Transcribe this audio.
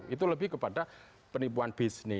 itu lebih kepada penipuan bisnis